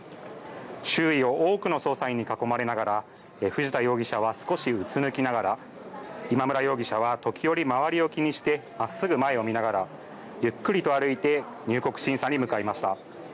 周囲を多くの捜査員に囲まれながら、藤田容疑者は少しうつむきながら、今村容疑者は時折、周りを気にして、まっすぐ前を見ながら、ゆっくりと歩いて、入国審査に向かいました。